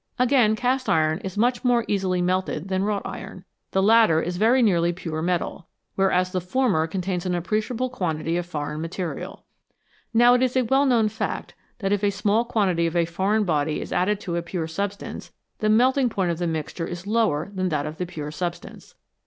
Again, cast iron is much more easily melted than wrought iron. The latter is very nearly pure metal, whereas the former contains an appreciable quantity of foreign material. Now it is a well known fact that if a small quantity of a foreign body is added to a pure substance, the melting point of the mixture is lower than that of the pure substance.